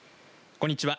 こんにちは。